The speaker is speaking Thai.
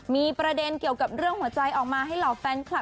มีประเด็นเกี่ยวกับเรื่องหัวใจออกมา